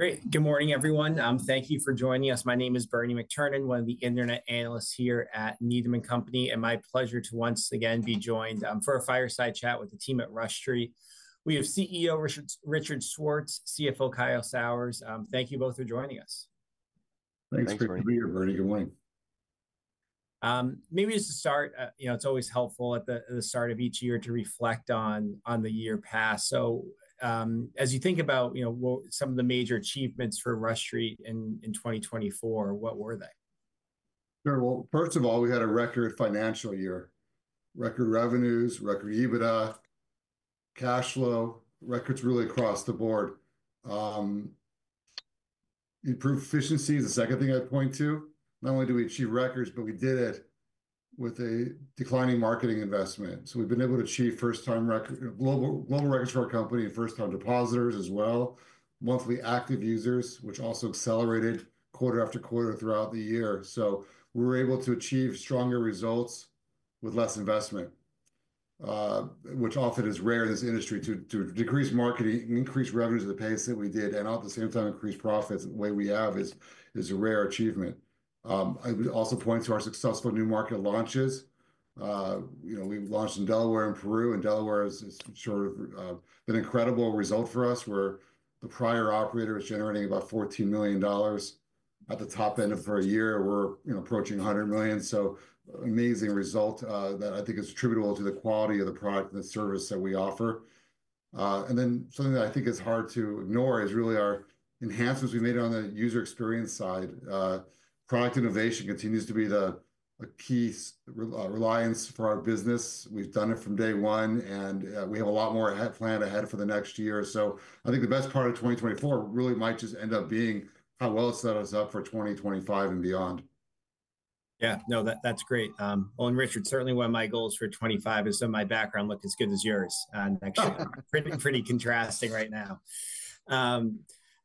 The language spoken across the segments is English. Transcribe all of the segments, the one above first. Great. Good morning, everyone. Thank you for joining us. My name is Bernie McTernan, one of the internet analysts here at Needham & Company, and my pleasure to once again be joined for a fireside chat with the team at Rush Street. We have CEO Richard Schwartz, CFO Kyle Sauers. Thank you both for joining us. Thanks for being here, Bernie. Good morning. Maybe just to start, you know, it's always helpful at the start of each year to reflect on the year past. So as you think about, you know, some of the major achievements for Rush Street in 2024, what were they? Sure. Well, first of all, we had a record financial year, record revenues, record EBITDA, cash flow, records really across the board. Improved efficiency is the second thing I'd point to. Not only did we achieve records, but we did it with a declining marketing investment. So we've been able to achieve first-time record global records for our company and first-time depositors as well. Monthly active users, which also accelerated quarter after quarter throughout the year. So we were able to achieve stronger results with less investment, which often is rare in this industry to decrease marketing, increase revenues at the pace that we did, and at the same time increase profits the way we have is a rare achievement. I would also point to our successful new market launches. You know, we launched in Delaware and Peru, and Delaware has sort of been an incredible result for us, where the prior operator was generating about $14 million at the top end for a year. We're, you know, approaching $100 million. So amazing result that I think is attributable to the quality of the product and the service that we offer. And then something that I think is hard to ignore is really our enhancements we made on the user experience side. Product innovation continues to be the key reliance for our business. We've done it from day one, and we have a lot more planned ahead for the next year. So I think the best part of 2024 really might just end up being how well it sets us up for 2025 and beyond. Yeah. No, that's great. Well, and Richard, certainly one of my goals for 2025 is to have my background look as good as yours next year. Pretty contrasting right now.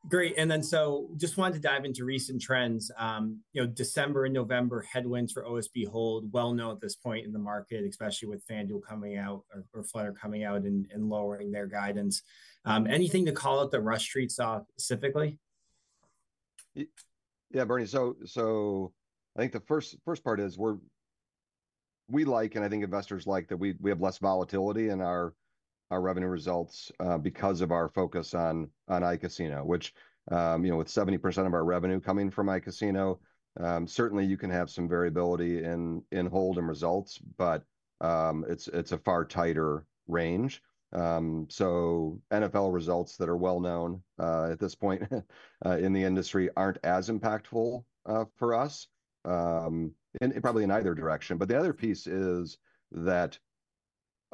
Great, and then so just wanted to dive into recent trends. You know, December and November headwinds for OSB hold, well known at this point in the market, especially with FanDuel coming out or Flutter coming out and lowering their guidance. Anything to call out that Rush Street saw specifically? Yeah, Bernie. So I think the first part is we like, and I think investors like, that we have less volatility in our revenue results because of our focus on iCasino, which, you know, with 70% of our revenue coming from iCasino, certainly you can have some variability in hold and results, but it's a far tighter range. So NFL results that are well known at this point in the industry aren't as impactful for us, and probably in either direction. But the other piece is that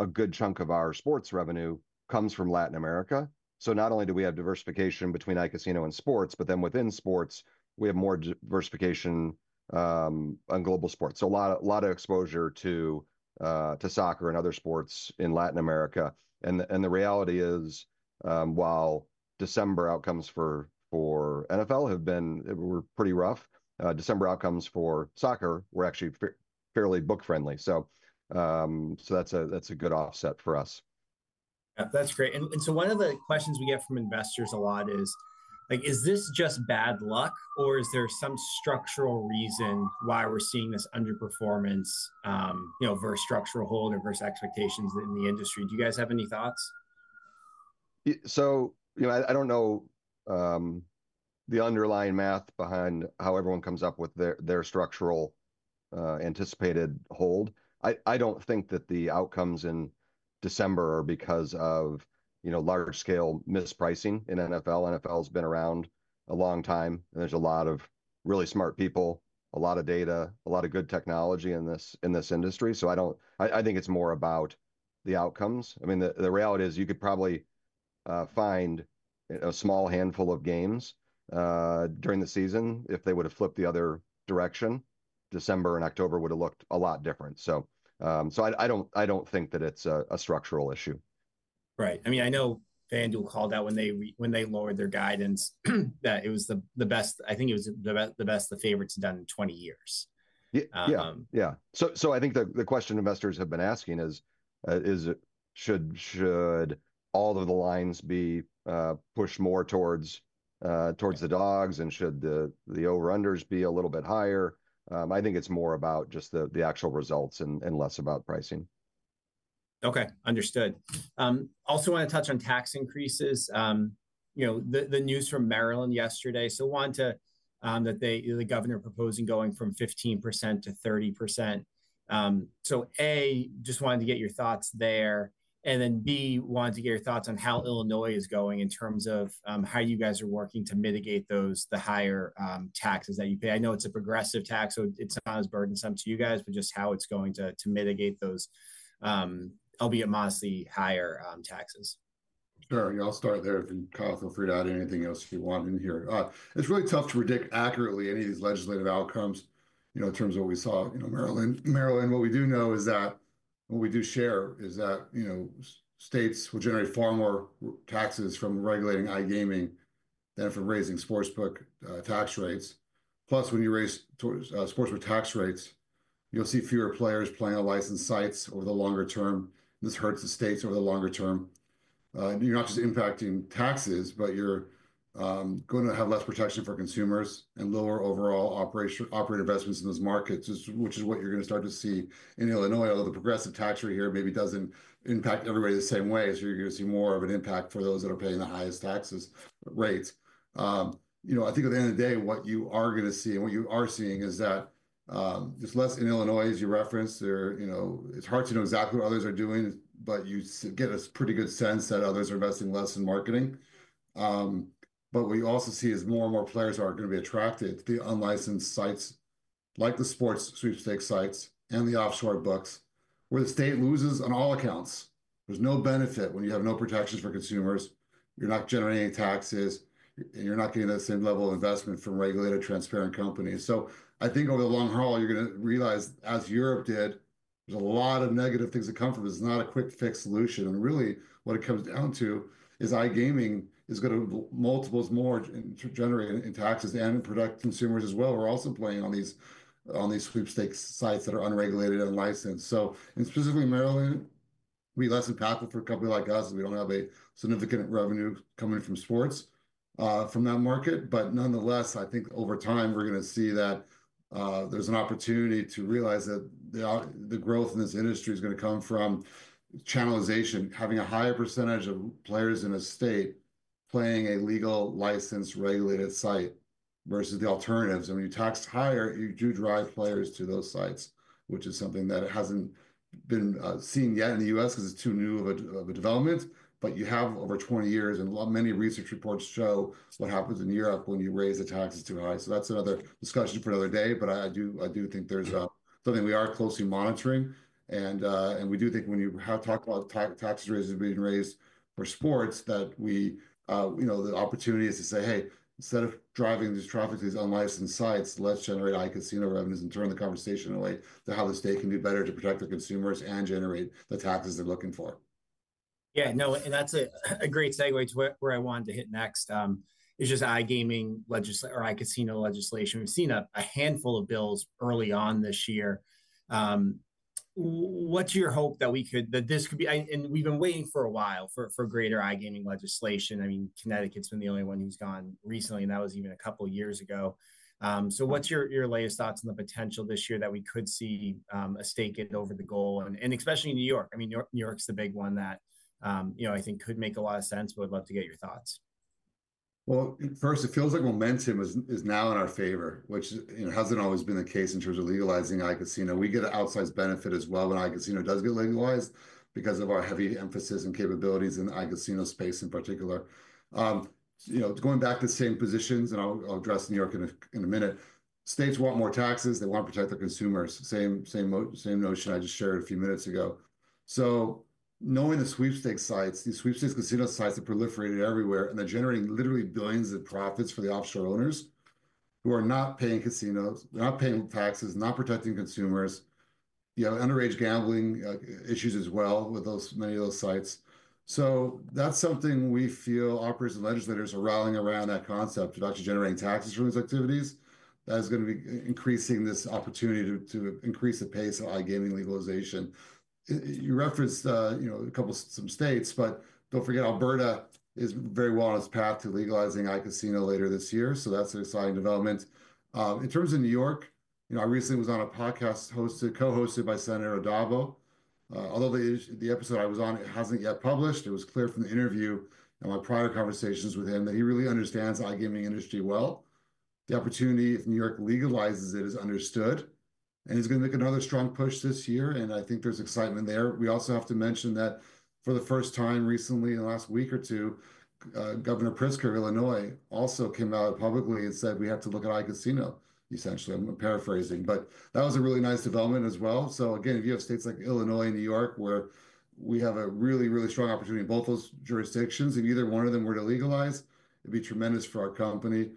a good chunk of our sports revenue comes from Latin America. So not only do we have diversification between iCasino and sports, but then within sports, we have more diversification on global sports. So a lot of exposure to soccer and other sports in Latin America. The reality is, while December outcomes for NFL have been pretty rough, December outcomes for soccer were actually fairly book-friendly. That's a good offset for us. That's great. And so one of the questions we get from investors a lot is, like, is this just bad luck, or is there some structural reason why we're seeing this underperformance, you know, versus structural hold and versus expectations in the industry? Do you guys have any thoughts? So, you know, I don't know the underlying math behind how everyone comes up with their structural anticipated hold. I don't think that the outcomes in December are because of, you know, large-scale mispricing in NFL. NFL has been around a long time, and there's a lot of really smart people, a lot of data, a lot of good technology in this industry. So I don't. I think it's more about the outcomes. I mean, the reality is you could probably find a small handful of games during the season. If they would have flipped the other direction, December and October would have looked a lot different. So I don't think that it's a structural issue. Right. I mean, I know FanDuel called out when they lowered their guidance that it was the best, I think it was the best, the favorites down in 20 years. Yeah. Yeah. So I think the question investors have been asking is, should all of the lines be pushed more towards the dogs, and should the over-unders be a little bit higher? I think it's more about just the actual results and less about pricing. Okay. Understood. Also want to touch on tax increases. You know, the news from Maryland yesterday. So wanted to, that the governor proposing going from 15%-30%. So A, just wanted to get your thoughts there. And then B, wanted to get your thoughts on how Illinois is going in terms of how you guys are working to mitigate those, the higher taxes that you pay. I know it's a progressive tax, so it's not as burdensome to you guys, but just how it's going to mitigate those, albeit modestly higher taxes. Sure. Yeah, I'll start there. Then Kyle, feel free to add anything else you want in here. It's really tough to predict accurately any of these legislative outcomes, you know, in terms of what we saw in Maryland. Maryland, what we do know is that what we do share is that, you know, states will generate far more taxes from regulating iGaming than from raising sportsbook tax rates. Plus, when you raise sportsbook tax rates, you'll see fewer players playing on licensed sites over the longer term. This hurts the states over the longer term. You're not just impacting taxes, but you're going to have less protection for consumers and lower overall operator investments in those markets, which is what you're going to start to see in Illinois. Although the progressive tax rate here maybe doesn't impact everybody the same way, so you're going to see more of an impact for those that are paying the highest tax rates. You know, I think at the end of the day, what you are going to see and what you are seeing is that there's less in Illinois, as you referenced. You know, it's hard to know exactly what others are doing, but you get a pretty good sense that others are investing less in marketing. But what you also see is more and more players are going to be attracted to the unlicensed sites like the sports sweepstakes sites and the offshore books, where the state loses on all accounts. There's no benefit when you have no protections for consumers. You're not generating taxes, and you're not getting that same level of investment from regulated transparent companies. So I think over the long haul, you're going to realize, as Europe did, there's a lot of negative things that come from this. It's not a quick fix solution. And really, what it comes down to is iGaming is going to generate multiples more in taxes and protect consumers as well. Players are also playing on these sweepstakes sites that are unregulated and unlicensed. So, specifically in Maryland, we're less impactful for a company like us. We don't have a significant revenue coming from sports from that market. But nonetheless, I think over time we're going to see that there's an opportunity to realize that the growth in this industry is going to come from channelization, having a higher percentage of players in a state playing a legal licensed regulated site versus the alternatives. When you tax higher, you do drive players to those sites, which is something that hasn't been seen yet in the U.S. because it's too new of a development. But you have over 20 years, and many research reports show what happens in Europe when you raise the taxes too high. So that's another discussion for another day. But I do think there's something we are closely monitoring. And we do think when you talk about taxes being raised for sports, that we, you know, the opportunity is to say, hey, instead of driving these traffic to these unlicensed sites, let's generate iCasino revenues and turn the conversation away to how the state can do better to protect their consumers and generate the taxes they're looking for. Yeah. No, and that's a great segue to where I wanted to hit next is just iGaming legislation or iCasino legislation. We've seen a handful of bills early on this year. What's your hope that we could, that this could be? And we've been waiting for a while for greater iGaming legislation. I mean, Connecticut's been the only one who's gone recently, and that was even a couple of years ago. So what's your latest thoughts on the potential this year that we could see a state get over the goal? And especially in New York. I mean, New York's the big one that, you know, I think could make a lot of sense, but we'd love to get your thoughts. First, it feels like momentum is now in our favor, which hasn't always been the case in terms of legalizing iCasino. We get an outsized benefit as well when iCasino does get legalized because of our heavy emphasis and capabilities in the iCasino space in particular. You know, going back to the same positions, and I'll address New York in a minute, states want more taxes. They want to protect their consumers. Same notion I just shared a few minutes ago. Knowing the sweepstakes sites, these sweepstakes casino sites have proliferated everywhere, and they're generating literally billions of profits for the offshore owners who are not paying casinos, not paying taxes, not protecting consumers. You have underage gambling issues as well with many of those sites. That's something we feel operators and legislators are rallying around that concept of actually generating taxes from these activities. That is going to be increasing this opportunity to increase the pace of iGaming legalization. You referenced, you know, a couple of some states, but don't forget Alberta is very well on its path to legalizing iCasino later this year. So that's an exciting development. In terms of New York, you know, I recently was on a podcast co-hosted by Senator Addabbo. Although the episode I was on, it hasn't yet published, it was clear from the interview and my prior conversations with him that he really understands the iGaming industry well. The opportunity, if New York legalizes it, is understood, and he's going to make another strong push this year, and I think there's excitement there. We also have to mention that for the first time recently, in the last week or two, Governor Pritzker of Illinois also came out publicly and said, "We have to look at iCasino," essentially. I'm paraphrasing, but that was a really nice development as well. So again, if you have states like Illinois and New York, where we have a really, really strong opportunity in both those jurisdictions, if either one of them were to legalize, it'd be tremendous for our company.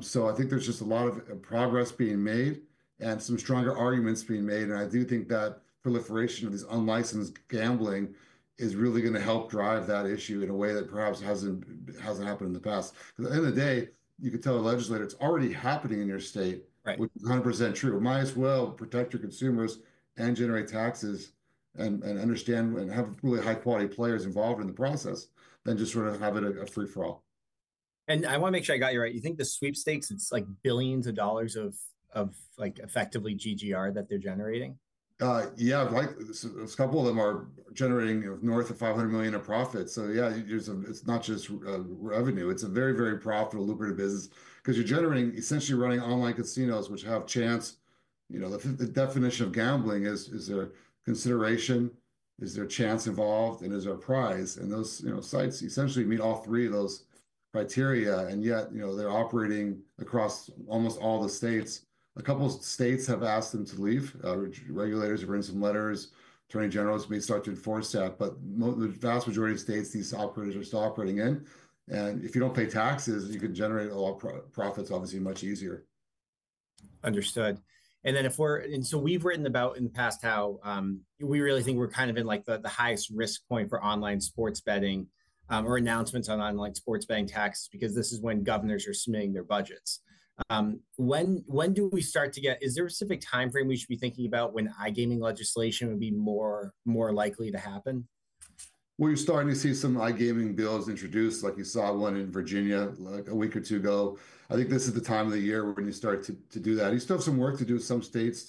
So I think there's just a lot of progress being made and some stronger arguments being made. And I do think that proliferation of this unlicensed gambling is really going to help drive that issue in a way that perhaps hasn't happened in the past. At the end of the day, you could tell a legislator it's already happening in your state, which is 100% true. It might as well protect your consumers and generate taxes and understand and have really high-quality players involved in the process than just sort of have it a free-for-all. I want to make sure I got you right. You think the sweepstakes, it's like billions of dollars of, like, effectively GGR that they're generating? Yeah. A couple of them are generating north of $500 million of profits. So yeah, it's not just revenue. It's a very, very profitable lucrative business because you're generating essentially running online casinos, which have chance. You know, the definition of gambling is, is there consideration? Is there chance involved? And is there a prize? And those, you know, sites essentially meet all three of those criteria. And yet, you know, they're operating across almost all the states. A couple of states have asked them to leave. Regulators have written some letters. Attorney generals may start to enforce that. But the vast majority of states, these operators are still operating in. And if you don't pay taxes, you can generate a lot of profits, obviously, much easier. Understood. And then and so we've written about in the past how we really think we're kind of in like the highest risk point for online sports betting or announcements on online sports betting taxes because this is when governors are submitting their budgets. When do we start to get? Is there a specific timeframe we should be thinking about when iGaming legislation would be more likely to happen? We're starting to see some iGaming bills introduced, like you saw one in Virginia like a week or two ago. I think this is the time of the year when you start to do that. You still have some work to do with some states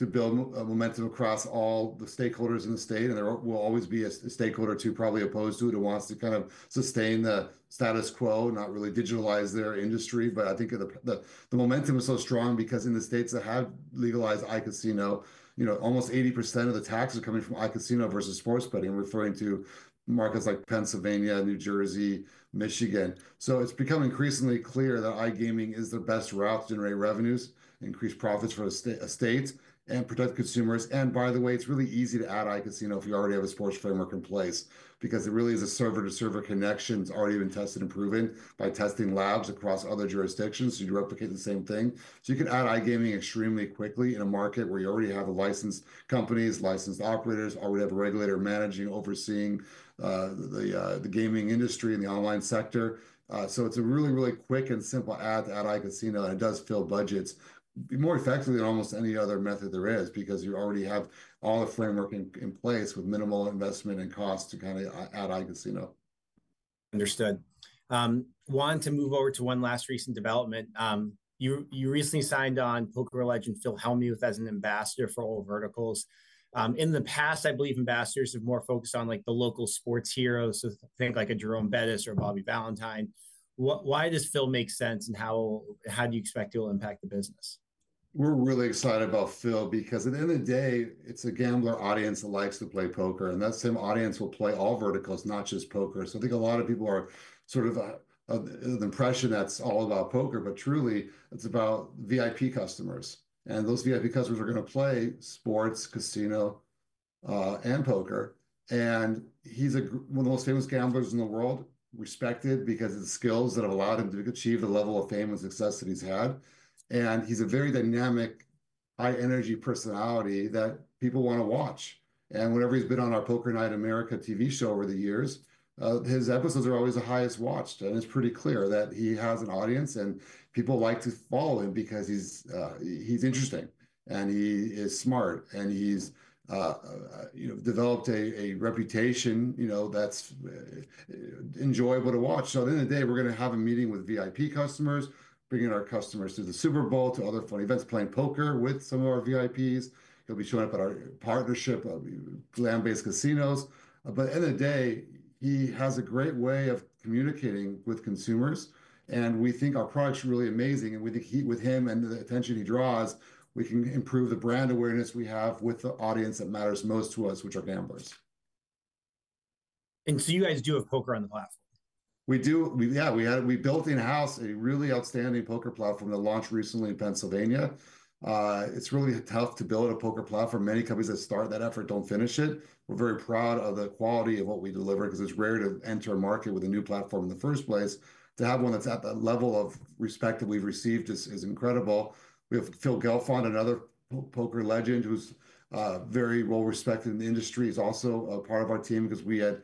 to build momentum across all the stakeholders in the state, and there will always be a stakeholder too probably opposed to it who wants to kind of sustain the status quo, not really digitalize their industry, but I think the momentum is so strong because in the states that have legalized iCasino, you know, almost 80% of the tax is coming from iCasino versus sports betting, referring to markets like Pennsylvania, New Jersey, Michigan, so it's become increasingly clear that iGaming is the best route to generate revenues, increase profits for a state, and protect consumers. And by the way, it's really easy to add iCasino if you already have a sports framework in place because it really is a server-to-server connection. It's already been tested and proven by testing labs across other jurisdictions. You replicate the same thing. So you can add iGaming extremely quickly in a market where you already have licensed companies, licensed operators, already have a regulator managing, overseeing the gaming industry and the online sector. So it's a really, really quick and simple add to add iCasino, and it does fill budgets more effectively than almost any other method there is because you already have all the framework in place with minimal investment and cost to kind of add iCasino. Understood. Wanted to move over to one last recent development. You recently signed on poker legend Phil Hellmuth as an ambassador for all verticals. In the past, I believe ambassadors have more focused on like the local sports heroes, so think like a Jerome Bettis or Bobby Valentine. Why does Phil make sense and how do you expect it will impact the business? We're really excited about Phil because at the end of the day, it's a gambler audience that likes to play poker. And that same audience will play all verticals, not just poker. So I think a lot of people are sort of the impression that's all about poker, but truly it's about VIP customers. And those VIP customers are going to play sports, casino, and poker. And he's one of the most famous gamblers in the world, respected because of the skills that have allowed him to achieve the level of fame and success that he's had. And he's a very dynamic, high-energy personality that people want to watch. And whenever he's been on our Poker Night in America TV show over the years, his episodes are always the highest watched. And it's pretty clear that he has an audience and people like to follow him because he's interesting and he is smart and he's, you know, developed a reputation, you know, that's enjoyable to watch. So at the end of the day, we're going to have a meeting with VIP customers, bringing our customers to the Super Bowl, to other fun events, playing poker with some of our VIPs. He'll be showing up at our partnership, land-based casinos. But at the end of the day, he has a great way of communicating with consumers. And we think our product's really amazing. And we think with him and the attention he draws, we can improve the brand awareness we have with the audience that matters most to us, which are gamblers. You guys do have poker on the platform? We do. Yeah. We built in-house a really outstanding poker platform that launched recently in Pennsylvania. It's really tough to build a poker platform. Many companies that start that effort don't finish it. We're very proud of the quality of what we deliver because it's rare to enter a market with a new platform in the first place. To have one that's at that level of respect that we've received is incredible. We have Phil Galfond, another poker legend who's very well respected in the industry, is also a part of our team because we had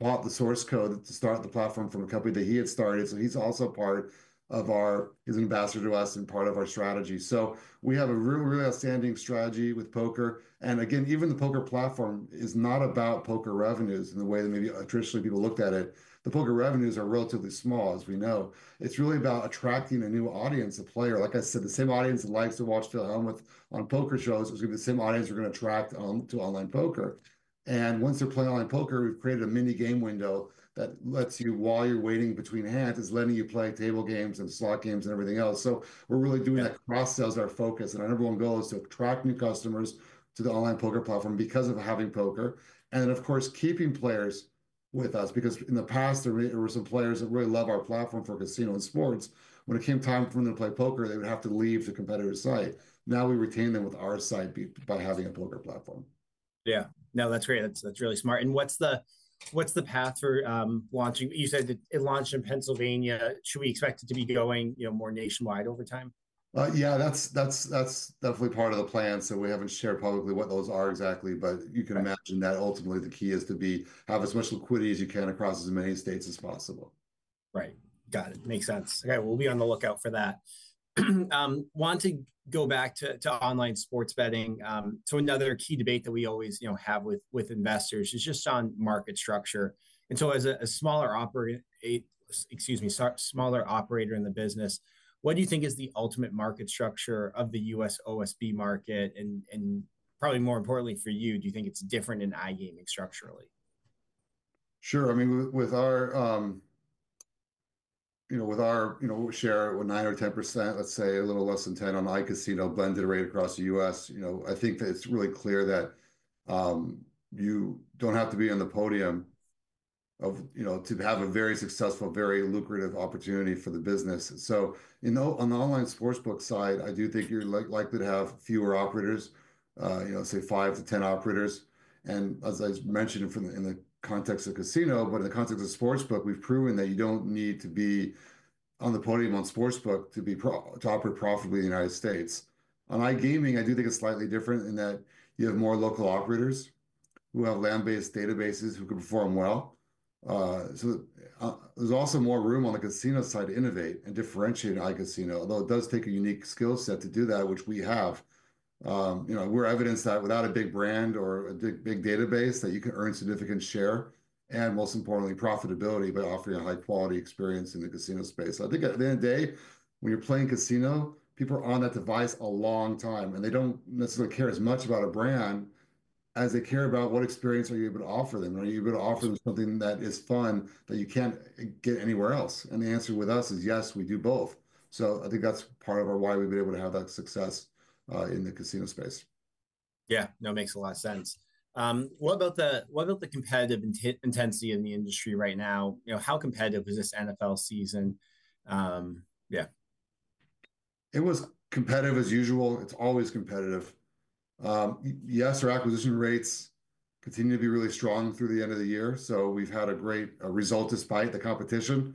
bought the source code to start the platform from a company that he had started. So he's also part of our, he's an ambassador to us and part of our strategy. So we have a really, really outstanding strategy with poker. Again, even the poker platform is not about poker revenues in the way that maybe traditionally people looked at it. The poker revenues are relatively small, as we know. It's really about attracting a new audience, a player. Like I said, the same audience that likes to watch Phil Hellmuth on poker shows is going to be the same audience we're going to attract to online poker. And once they're playing online poker, we've created a mini game window that lets you, while you're waiting between hands, is letting you play table games and slot games and everything else. So we're really doing that cross-sell is our focus. And our number one goal is to attract new customers to the online poker platform because of having poker. And then, of course, keeping players with us because in the past, there were some players that really love our platform for casino and sports. When it came time for them to play poker, they would have to leave the competitor's site. Now we retain them with our site by having a poker platform. Yeah. No, that's great. That's really smart. And what's the path for launching? You said it launched in Pennsylvania. Should we expect it to be going, you know, more nationwide over time? Yeah, that's definitely part of the plan. So we haven't shared publicly what those are exactly, but you can imagine that ultimately the key is to have as much liquidity as you can across as many states as possible. Right. Got it. Makes sense. Okay. We'll be on the lookout for that. Want to go back to online sports betting. So another key debate that we always, you know, have with investors is just on market structure. And so as a smaller operator, excuse me, smaller operator in the business, what do you think is the ultimate market structure of the U.S. OSB market? And probably more importantly for you, do you think it's different in iGaming structurally? Sure. I mean, with our, you know, we share a 9% or 10%, let's say a little less than 10% on iCasino blended rate across the U.S., you know, I think that it's really clear that you don't have to be on the podium of, you know, to have a very successful, very lucrative opportunity for the business, so on the online sportsbook side, I do think you're likely to have fewer operators, you know, say 5-10 operators, and as I mentioned in the context of casino, but in the context of sportsbook, we've proven that you don't need to be on the podium on sportsbook to operate profitably in the United States. On iGaming, I do think it's slightly different in that you have more local operators who have land-based databases who can perform well. So there's also more room on the casino side to innovate and differentiate iCasino, although it does take a unique skill set to do that, which we have. You know, we're evidence that without a big brand or a big database, that you can earn a significant share and, most importantly, profitability by offering a high-quality experience in the casino space. I think at the end of the day, when you're playing casino, people are on that device a long time, and they don't necessarily care as much about a brand as they care about what experience are you able to offer them. Are you able to offer them something that is fun that you can't get anywhere else? And the answer with us is yes, we do both. So I think that's part of why we've been able to have that success in the casino space. Yeah. No, makes a lot of sense. What about the competitive intensity in the industry right now? You know, how competitive is this NFL season? Yeah. It was competitive as usual. It's always competitive. Yes, our acquisition rates continue to be really strong through the end of the year. So we've had a great result despite the competition.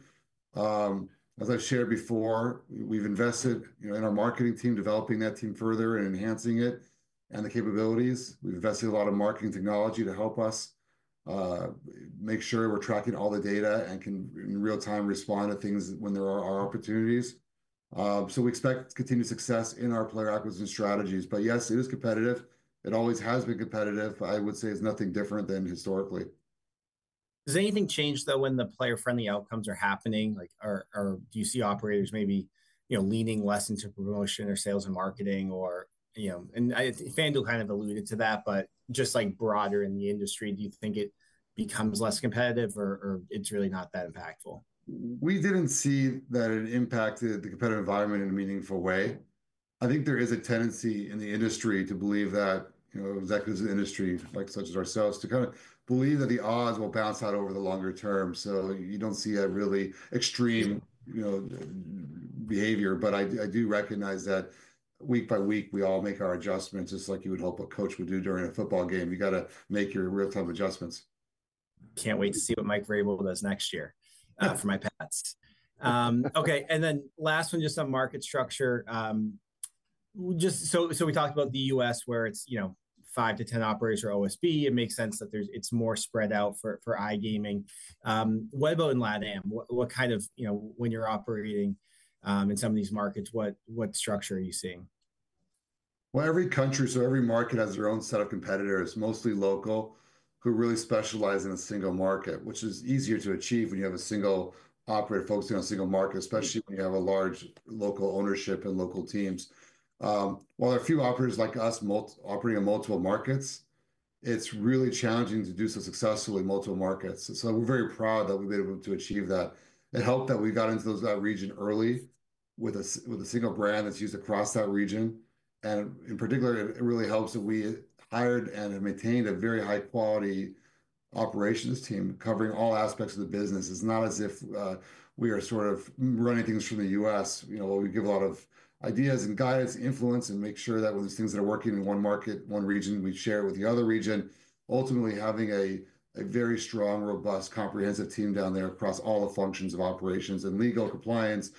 As I've shared before, we've invested, you know, in our marketing team, developing that team further and enhancing it and the capabilities. We've invested a lot of marketing technology to help us make sure we're tracking all the data and can in real time respond to things when there are opportunities. So we expect continued success in our player acquisition strategies. But yes, it is competitive. It always has been competitive. I would say it's nothing different than historically. Does anything change, though, when the player-friendly outcomes are happening? Like, or do you see operators maybe, you know, leaning less into promotion or sales and marketing or, you know, and FanDuel kind of alluded to that, but just like broader in the industry, do you think it becomes less competitive or it's really not that impactful? We didn't see that it impacted the competitive environment in a meaningful way. I think there is a tendency in the industry to believe that, you know, executives in the industry, like such as ourselves, to kind of believe that the odds will bounce out over the longer term. So you don't see a really extreme, you know, behavior. But I do recognize that week by week, we all make our adjustments just like you would hope a coach would do during a football game. You got to make your real-time adjustments. Can't wait to see what Mike Vrabel does next year for my bets. Okay. And then last one, just on market structure. Just so we talked about the U.S. where it's, you know, 5-10 operators for OSB. It makes sense that there's, it's more spread out for iGaming. What about in LatAm? What kind of, you know, when you're operating in some of these markets, what structure are you seeing? Every country, so every market has their own set of competitors, mostly local, who really specialize in a single market, which is easier to achieve when you have a single operator focusing on a single market, especially when you have a large local ownership and local teams. While there are a few operators like us operating in multiple markets, it's really challenging to do so successfully in multiple markets. We're very proud that we've been able to achieve that. It helped that we got into that region early with a single brand that's used across that region. In particular, it really helps that we hired and maintained a very high-quality operations team covering all aspects of the business. It's not as if we are sort of running things from the U.S. You know, we give a lot of ideas and guidance, influence, and make sure that when there's things that are working in one market, one region, we share it with the other region, ultimately having a very strong, robust, comprehensive team down there across all the functions of operations and legal compliance,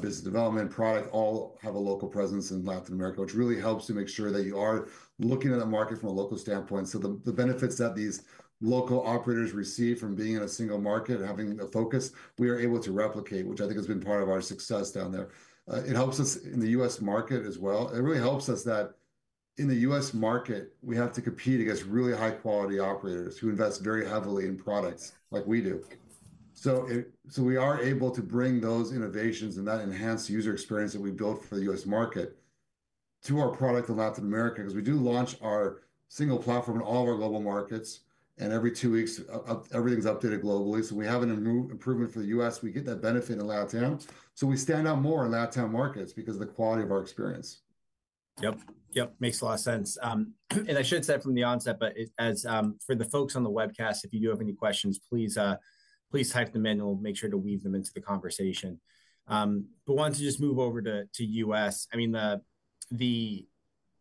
business development, product, all have a local presence in Latin America, which really helps to make sure that you are looking at the market from a local standpoint. So the benefits that these local operators receive from being in a single market and having a focus, we are able to replicate, which I think has been part of our success down there. It helps us in the U.S. market as well. It really helps us that in the U.S. market, we have to compete against really high-quality operators who invest very heavily in products like we do. So we are able to bring those innovations and that enhanced user experience that we built for the U.S. market to our product in Latin America because we do launch our single platform in all of our global markets. And every two weeks, everything's updated globally. So we have an improvement for the U.S. We get that benefit in LatAm. So we stand out more in LatAm markets because of the quality of our experience. Yep. Yep. Makes a lot of sense, and I should have said from the onset, but as for the folks on the webcast, if you do have any questions, please type them in and we'll make sure to weave them into the conversation, but wanted to just move over to U.S. I mean, the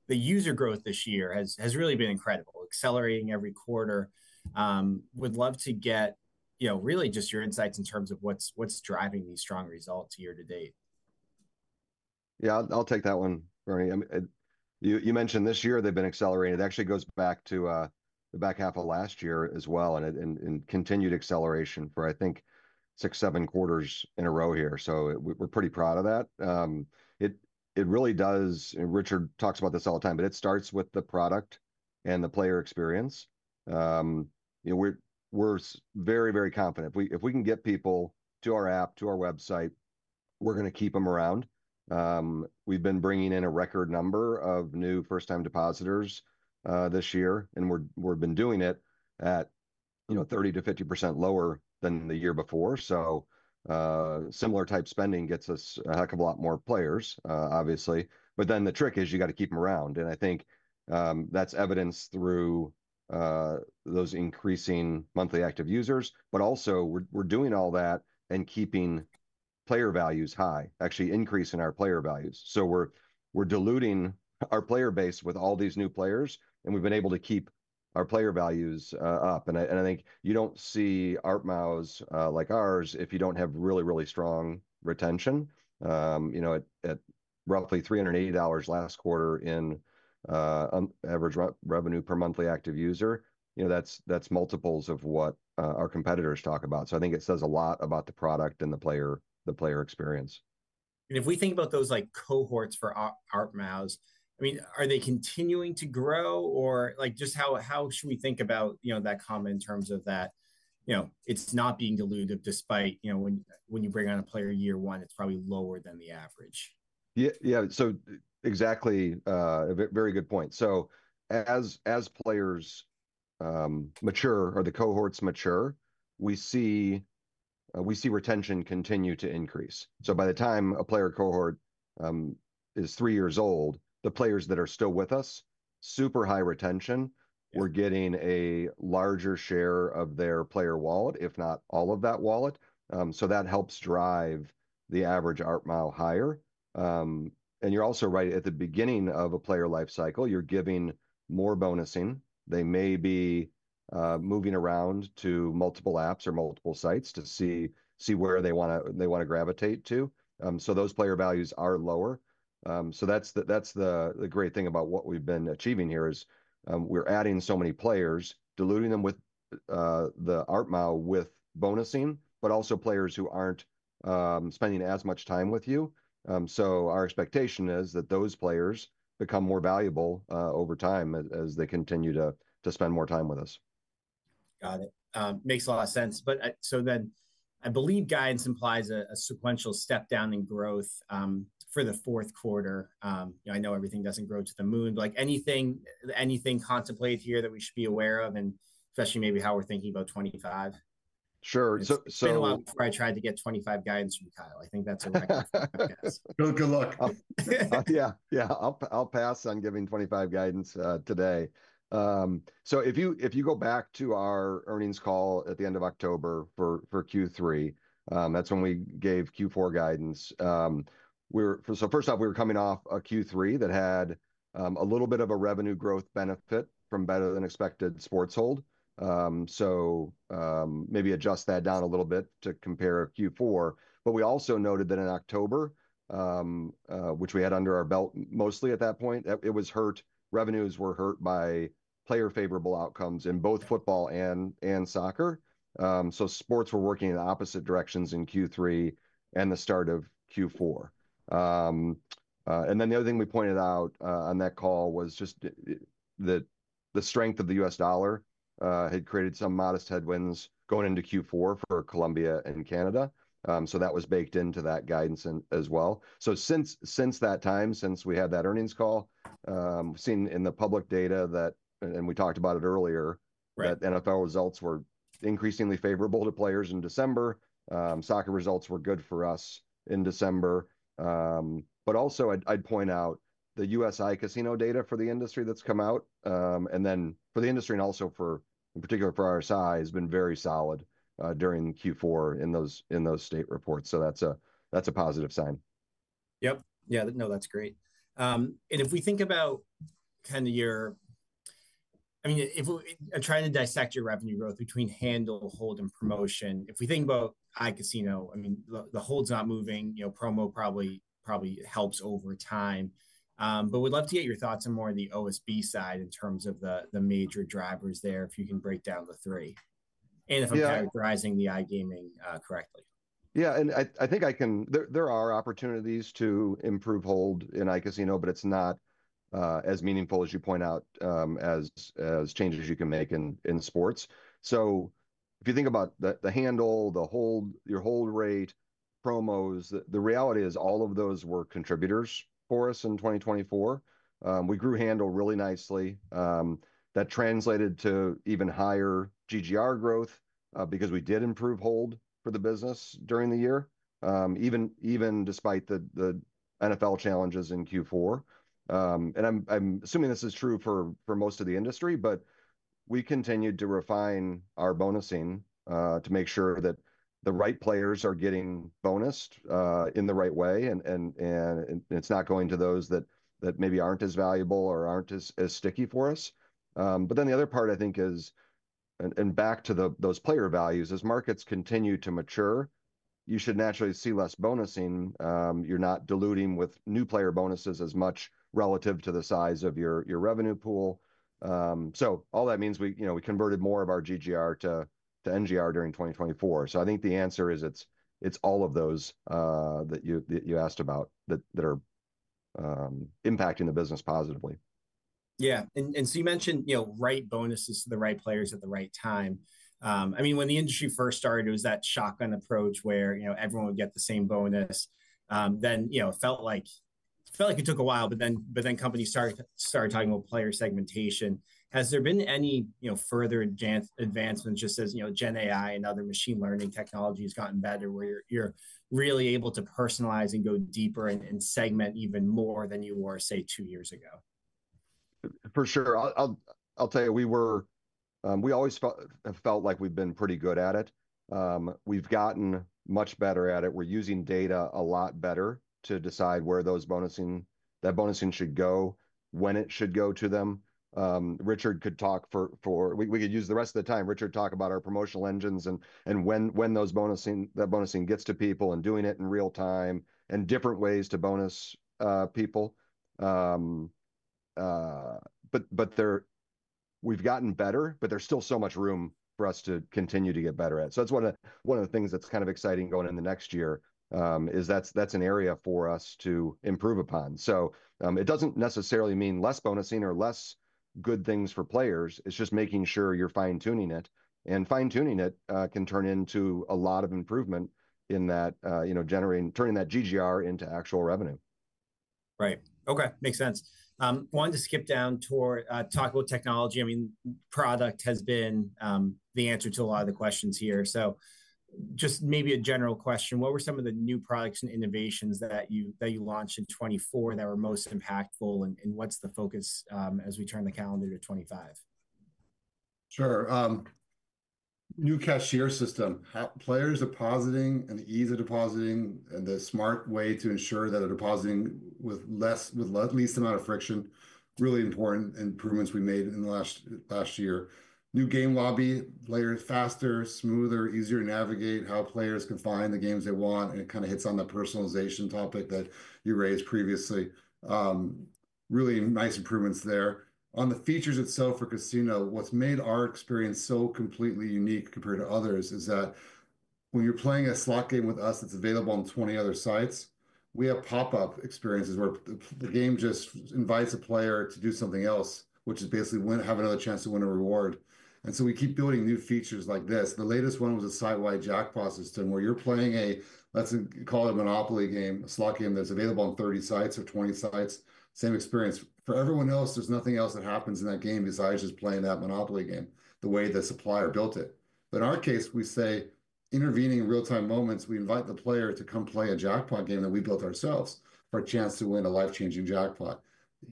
user growth this year has really been incredible, accelerating every quarter. Would love to get, you know, really just your insights in terms of what's driving these strong results year to date. Yeah, I'll take that one, Bernie. You mentioned this year they've been accelerating. It actually goes back to the back half of last year as well and continued acceleration for, I think, six, seven quarters in a row here. So we're pretty proud of that. It really does, and Richard talks about this all the time, but it starts with the product and the player experience. You know, we're very, very confident. If we can get people to our app, to our website, we're going to keep them around. We've been bringing in a record number of new first-time depositors this year, and we've been doing it at, you know, 30%-50% lower than the year before. So similar type spending gets us a heck of a lot more players, obviously. But then the trick is you got to keep them around. And I think that's evidenced through those increasing monthly active users. But also we're doing all that and keeping player values high, actually increasing our player values. So we're diluting our player base with all these new players, and we've been able to keep our player values up. And I think you don't see ARPMAU like ours if you don't have really, really strong retention. You know, at roughly $380 last quarter in average revenue per monthly active user, you know, that's multiples of what our competitors talk about. So I think it says a lot about the product and the player experience. And if we think about those like cohorts for ARPMAU, I mean, are they continuing to grow or like just how should we think about, you know, that comment in terms of that, you know, it's not being diluted despite, you know, when you bring on a player year one, it's probably lower than the average. Yeah. So exactly a very good point. So as players mature or the cohorts mature, we see retention continue to increase. So by the time a player cohort is three years old, the players that are still with us, super high retention, we're getting a larger share of their player wallet, if not all of that wallet. So that helps drive the average ARPMAU higher. And you're also right at the beginning of a player lifecycle, you're giving more bonusing. They may be moving around to multiple apps or multiple sites to see where they want to gravitate to. So those player values are lower. So that's the great thing about what we've been achieving here is we're adding so many players, diluting them with the ARPMAU with bonusing, but also players who aren't spending as much time with you. Our expectation is that those players become more valuable over time as they continue to spend more time with us. Got it. Makes a lot of sense. But so then I believe guidance implies a sequential step down in growth for the fourth quarter. You know, I know everything doesn't grow to the moon, but like anything contemplated here that we should be aware of and especially maybe how we're thinking about 2025? Sure. I tried to get 25 guidance from Kyle. I think that's a right guess. Good luck. Yeah. Yeah. I'll pass on giving Q4 guidance today, so if you go back to our earnings call at the end of October for Q3, that's when we gave Q4 guidance. So first off, we were coming off a Q3 that had a little bit of a revenue growth benefit from better than expected sports hold, so maybe adjust that down a little bit to compare Q4. But we also noted that in October, which we had under our belt mostly at that point, it was hurt. Revenues were hurt by player favorable outcomes in both football and soccer, so sports were working in opposite directions in Q3 and the start of Q4. And then the other thing we pointed out on that call was just that the strength of the US dollar had created some modest headwinds going into Q4 for Colombia and Canada. So that was baked into that guidance as well. So since that time, since we had that earnings call, we've seen in the public data that, and we talked about it earlier, that NFL results were increasingly favorable to players in December. Soccer results were good for us in December. But also I'd point out the U.S. iCasino data for the industry that's come out. And then for the industry and also for, in particular, for RSI has been very solid during Q4 in those state reports. So that's a positive sign. Yep. Yeah. No, that's great. And if we think about kind of your, I mean, if I'm trying to dissect your revenue growth between handle, hold, and promotion, if we think about iCasino, I mean, the hold's not moving, you know, promo probably helps over time. But we'd love to get your thoughts on more of the OSB side in terms of the major drivers there if you can break down the three. And if I'm characterizing the iGaming correctly? Yeah. And I think I can, there are opportunities to improve hold in iCasino, but it's not as meaningful as you point out as changes you can make in sports. So if you think about the handle, the hold, your hold rate, promos, the reality is all of those were contributors for us in 2024. We grew handle really nicely. That translated to even higher GGR growth because we did improve hold for the business during the year, even despite the NFL challenges in Q4. And I'm assuming this is true for most of the industry, but we continued to refine our bonusing to make sure that the right players are getting bonused in the right way and it's not going to those that maybe aren't as valuable or aren't as sticky for us. But then the other part I think is, and back to those player values, as markets continue to mature, you should naturally see less bonusing. You're not diluting with new player bonuses as much relative to the size of your revenue pool. So all that means we, you know, we converted more of our GGR to NGR during 2024. So I think the answer is it's all of those that you asked about that are impacting the business positively. Yeah. And so you mentioned, you know, right bonuses to the right players at the right time. I mean, when the industry first started, it was that shotgun approach where, you know, everyone would get the same bonus. Then, you know, it felt like it took a while, but then companies started talking about player segmentation. Has there been any, you know, further advancements just as, you know, Gen AI and other machine learning technology has gotten better where you're really able to personalize and go deeper and segment even more than you were, say, two years ago? For sure. I'll tell you, we always felt like we've been pretty good at it. We've gotten much better at it. We're using data a lot better to decide where those bonusing, that bonusing should go, when it should go to them. Richard could talk for, we could use the rest of the time, Richard talk about our promotional engines and when that bonusing gets to people and doing it in real time and different ways to bonus people. But we've gotten better, but there's still so much room for us to continue to get better at. So that's one of the things that's kind of exciting going in the next year is that's an area for us to improve upon. So it doesn't necessarily mean less bonusing or less good things for players. It's just making sure you're fine-tuning it. Fine-tuning it can turn into a lot of improvement in that, you know, generating, turning that GGR into actual revenue. Right. Okay. Makes sense. Wanted to skip down toward, talk about technology. I mean, product has been the answer to a lot of the questions here. So just maybe a general question. What were some of the new products and innovations that you launched in 2024 that were most impactful, and what's the focus as we turn the calendar to 2025? Sure. New cashier system. Player depositing and the ease of depositing and the smart way to ensure that a depositing with less, with least amount of friction, really important improvements we made in the last year. New game lobby, players faster, smoother, easier to navigate, how players can find the games they want, and it kind of hits on the personalization topic that you raised previously. Really nice improvements there. On the features itself for Casino, what's made our experience so completely unique compared to others is that when you're playing a slot game with us that's available on 20 other sites, we have pop-up experiences where the game just invites a player to do something else, which is basically have another chance to win a reward, and so we keep building new features like this. The latest one was a sitewide jackpot system where you're playing a, let's call it a monopoly game, a slot game that's available on 30 sites or 20 sites. Same experience. For everyone else, there's nothing else that happens in that game besides just playing that monopoly game the way the supplier built it, but in our case, we say intervening real-time moments, we invite the player to come play a jackpot game that we built ourselves for a chance to win a life-changing jackpot.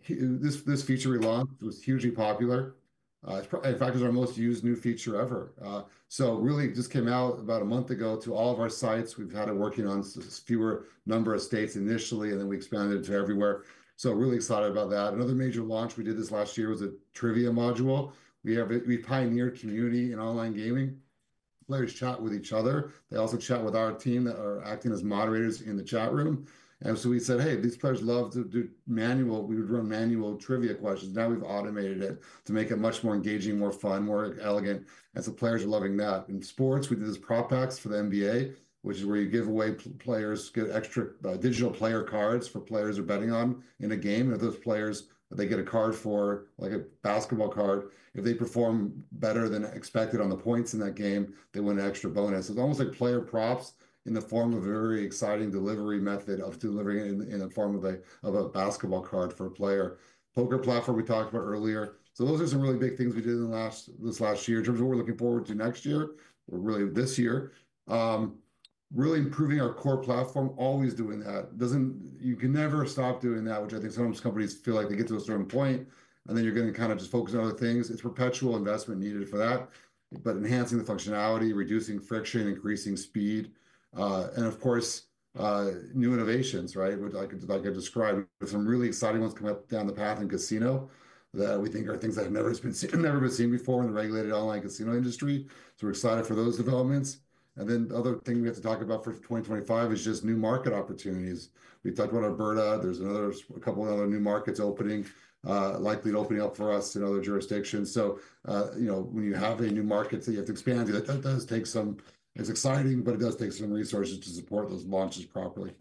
This feature we launched was hugely popular. In fact, it's our most used new feature ever, so really just came out about a month ago to all of our sites. We've had it working on a fewer number of states initially, and then we expanded it to everywhere, so really excited about that. Another major launch we did this last year was a trivia module. We pioneered community in online gaming. Players chat with each other. They also chat with our team that are acting as moderators in the chat room, and so we said, hey, these players love to do manual. We would run manual trivia questions. Now we've automated it to make it much more engaging, more fun, more elegant, and so players are loving that. In sports, we did this Prop Packs for the NBA, which is where you give away players, get extra digital player cards for players who are betting on in a game, and if those players, they get a card for like a basketball card, if they perform better than expected on the points in that game, they win an extra bonus. It's almost like player props in the form of a very exciting delivery method of delivering it in the form of a basketball card for a player. Poker platform we talked about earlier. So those are some really big things we did in this last year. In terms of what we're looking forward to next year, we're really this year, really improving our core platform, always doing that. You can never stop doing that, which I think some of these companies feel like they get to a certain point and then you're going to kind of just focus on other things. It's perpetual investment needed for that, but enhancing the functionality, reducing friction, increasing speed, and of course, new innovations, right? Like I described, some really exciting ones come up down the path in casino that we think are things that have never been seen before in the regulated online casino industry. So we're excited for those developments. And then other thing we have to talk about for 2025 is just new market opportunities. We talked about Alberta. There's another couple of other new markets opening, likely opening up for us in other jurisdictions. So, you know, when you have a new market that you have to expand, that does take some, it's exciting, but it does take some resources to support those launches properly.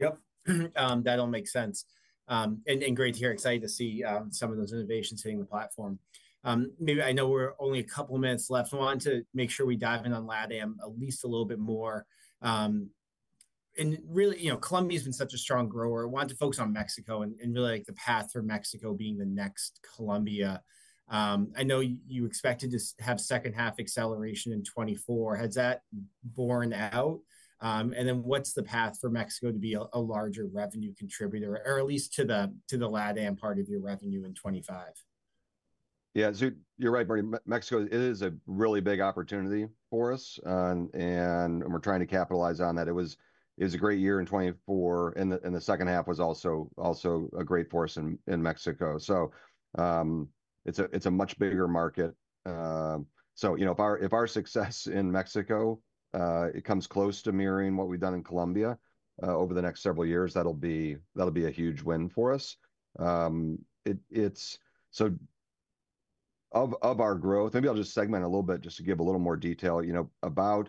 Yep. That all makes sense, and great to hear. Excited to see some of those innovations hitting the platform. Maybe I know we're only a couple of minutes left. I want to make sure we dive in on LatAm at least a little bit more, and really, you know, Colombia has been such a strong grower. I want to focus on Mexico and really like the path for Mexico being the next Colombia. I know you expected to have second half acceleration in 2024. Has that borne out? And then what's the path for Mexico to be a larger revenue contributor or at least to the LatAm part of your revenue in 2025? Yeah. You're right, Bernie. Mexico is a really big opportunity for us, and we're trying to capitalize on that. It was a great year in 2024, and the second half was also a great force in Mexico. So it's a much bigger market. So, you know, if our success in Mexico comes close to mirroring what we've done in Colombia over the next several years, that'll be a huge win for us. So of our growth, maybe I'll just segment a little bit just to give a little more detail, you know, about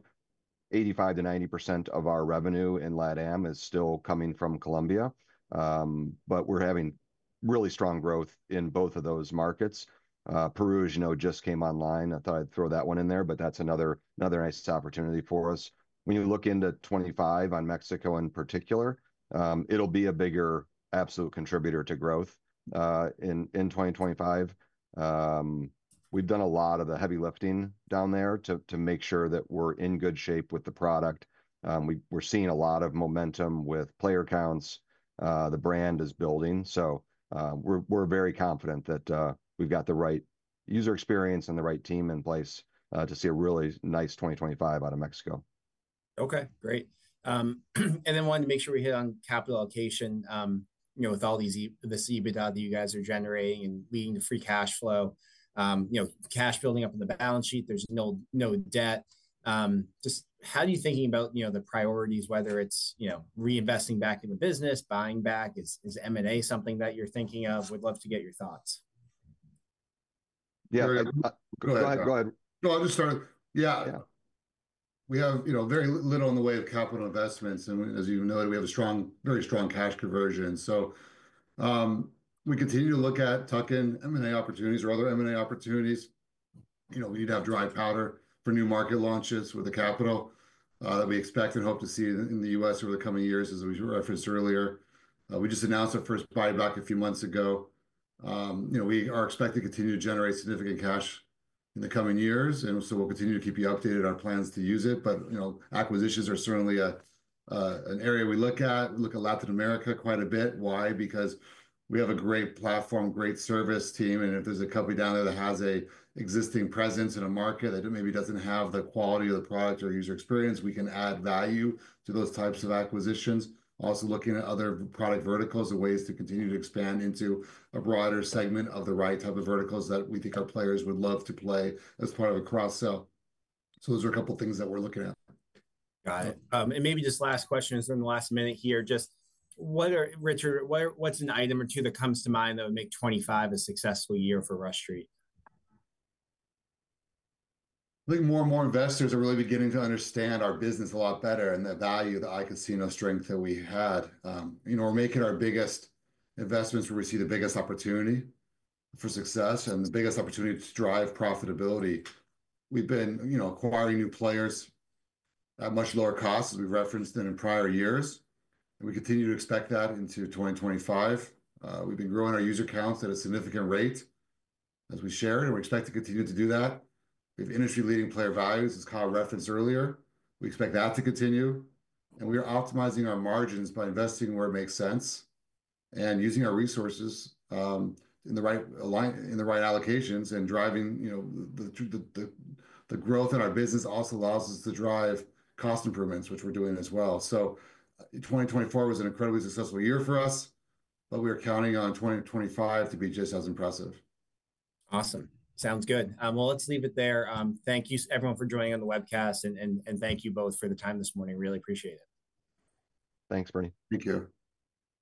85%-90% of our revenue in LatAm is still coming from Colombia, but we're having really strong growth in both of those markets. Peru, as you know, just came online. I thought I'd throw that one in there, but that's another nice opportunity for us. When you look into 2025 on Mexico in particular, it'll be a bigger absolute contributor to growth in 2025. We've done a lot of the heavy lifting down there to make sure that we're in good shape with the product. We're seeing a lot of momentum with player counts. The brand is building. So we're very confident that we've got the right user experience and the right team in place to see a really nice 2025 out of Mexico. Okay. Great, and then wanted to make sure we hit on capital allocation, you know, with all this EBITDA that you guys are generating and leading to free cash flow, you know, cash building up in the balance sheet. There's no debt. Just how are you thinking about, you know, the priorities, whether it's, you know, reinvesting back in the business, buying back? Is M&A something that you're thinking of? We'd love to get your thoughts. Yeah. Go ahead. No, I'll just start. Yeah. We have, you know, very little in the way of capital investments. And as you know, we have a strong, very strong cash conversion. So we continue to look at tuck-in M&A opportunities or other M&A opportunities. You know, we need to have dry powder for new market launches with the capital that we expect and hope to see in the U.S. over the coming years, as we referenced earlier. We just announced our first buyback a few months ago. You know, we are expected to continue to generate significant cash in the coming years. And so we'll continue to keep you updated on plans to use it. But, you know, acquisitions are certainly an area we look at. We look at Latin America quite a bit. Why? Because we have a great platform, great service team. And if there's a company down there that has an existing presence in a market that maybe doesn't have the quality of the product or user experience, we can add value to those types of acquisitions. Also looking at other product verticals and ways to continue to expand into a broader segment of the right type of verticals that we think our players would love to play as part of a cross-sell. So those are a couple of things that we're looking at. Got it, and maybe just last question in the last minute here. Just what are, Richard, what's an item or two that comes to mind that would make 2025 a successful year for Rush Street? I think more and more investors are really beginning to understand our business a lot better and the value of the iCasino strength that we had. You know, we're making our biggest investments where we see the biggest opportunity for success and the biggest opportunity to drive profitability. We've been, you know, acquiring new players at much lower costs as we've referenced in prior years. And we continue to expect that into 2025. We've been growing our user counts at a significant rate, as we shared, and we expect to continue to do that. We have industry-leading player values, as Kyle referenced earlier. We expect that to continue. And we are optimizing our margins by investing where it makes sense and using our resources in the right allocations and driving, you know, the growth in our business, also allows us to drive cost improvements, which we're doing as well. 2024 was an incredibly successful year for us, but we are counting on 2025 to be just as impressive. Awesome. Sounds good. Well, let's leave it there. Thank you, everyone, for joining on the webcast, and thank you both for the time this morning. Really appreciate it. Thanks, Marie. Thank you.